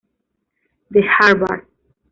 De Harvard.